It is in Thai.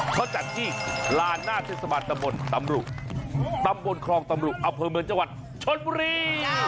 เขาจัดที่ลานหน้าเทศบาลตำบลตำรุตำบลคลองตำรุอำเภอเมืองจังหวัดชนบุรี